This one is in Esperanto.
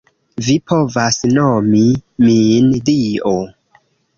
Vi povas nomi min, Dio.